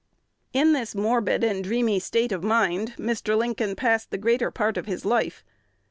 In this morbid and dreamy state of mind, Mr. Lincoln passed the greater part of his life.